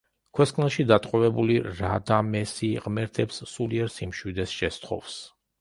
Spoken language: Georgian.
ქვესკნელში დატყვევებული რადამესი ღმერთებს სულიერ სიმშვიდეს შესთხოვს.